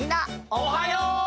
おはよう！